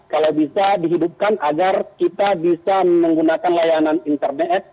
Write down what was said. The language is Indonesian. kalau bisa dihidupkan agar kita bisa menggunakan layanan internet